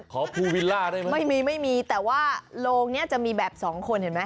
ขอพูลวิลล่าได้ไหมไม่มีแต่ว่าโลงเนี่ยจะมีแบบสองคนเห็นไหม